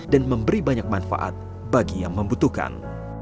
dan memberi banyak manfaat bagi yang membutuhkan